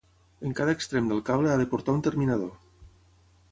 En cada extrem del cable ha de portar un terminador.